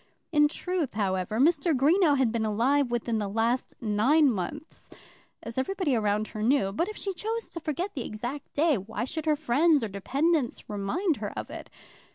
In truth, however, Mr. Greenow had been alive within the last nine months, as everybody around her knew. But if she chose to forget the exact day, why should her friends or dependents remind her of it?